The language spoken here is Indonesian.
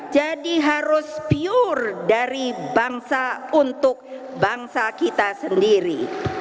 jadi harus pure dari bangsa untuk bangsa kita sendiri